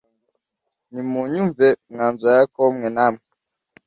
Nimunyumve mwa nzu ya Yakobo mwe namwe